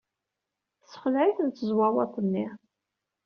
Tessexleɛ-iten tezwawaḍt-nni.